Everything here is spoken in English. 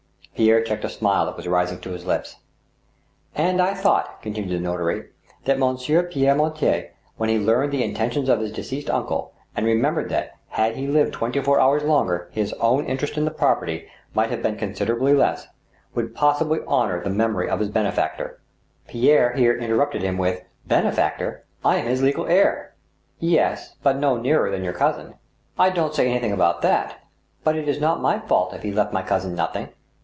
Pierre checked a smile that was rising to his lips. '* And I thought," continued the notary, " that Monsieur Pierre Mortier, when he learned the intentions of his deceased uncle, and remembered that, had he lived twenty four hours longer, his own l8 THE STEEL HAMMER. interest in the property might have been considerably less, would possibly honor the memory of his benefactor —" Pierre here interrupted him with— *• Benefactor ! I am his legal heir 1 —"" Yes, but no nearer than your cousin." " I don't say anything about that ; but it is not my fault if he left my cousin nothing."